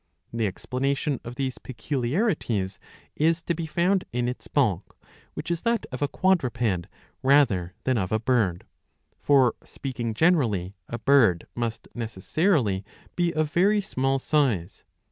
* The explanation of these peculiarities is to be found in its bulk, which is that of a quadruped rather than of a bird. For, speaking generally, a bird must necessarily be of very small size.